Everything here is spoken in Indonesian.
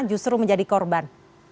justru menjadi korban